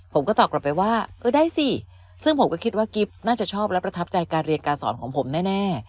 ผมก็ตอบกลับไปว่าเออได้สิซึ่งผมก็คิดว่ากิ๊บน่าจะชอบและประทับใจการเรียนการสอนของผมแน่